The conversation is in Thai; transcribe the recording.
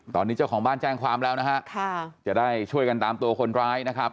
ตอนนี้เจ้าของบ้านแจ้งความแล้วนะฮะค่ะจะได้ช่วยกันตามตัวคนร้ายนะครับ